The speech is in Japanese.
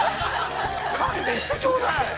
勘弁してちょうだい。